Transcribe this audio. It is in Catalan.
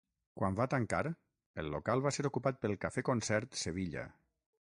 Quan va tancar, el local va ser ocupat pel cafè-concert Sevilla.